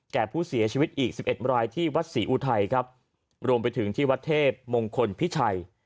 แก่ผู้เสียชีวิตอีกสิบเอ็ดรายที่วัดศรีอุทัยครับรวมไปถึงที่วัดเทพมงคลพิชัย